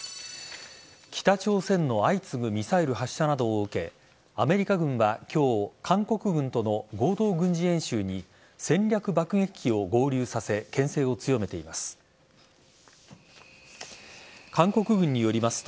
北朝鮮の相次ぐミサイル発射などを受けアメリカ軍は今日、韓国軍との合同軍事演習に戦略爆撃機を合流させけん制を強めています。